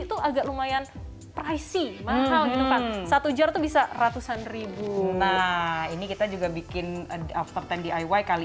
itu agak lumayan pricy mahal gitu kan satu jor tuh bisa ratusan ribu nah ini kita juga bikin after sepuluh diy kali